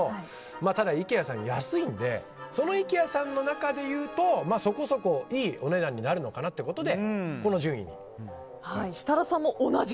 ただ、イケアさんは安いのでそのイケアさんの中でいうとそこそこいいお値段になるのかなということ設楽さんも同じく。